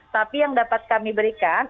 tapi yang dapat kami berikan